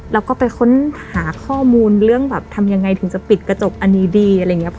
แล้วก็ไปค้นหาข้อมูลเรื่องแบบทำยังไงถึงจะปิดกระจกอันนี้ดีอะไรอย่างนี้